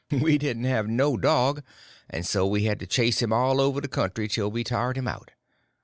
We didn't have no dog, and so we had to chase him all over the country till we tired him out.